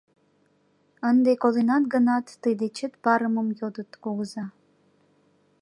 Ынде коленат гынат, тый дечет парымым йодыт, кугыза.